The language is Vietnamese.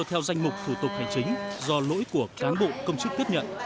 theo danh mục thủ tục hành chính do lỗi của cán bộ công chức tiếp nhận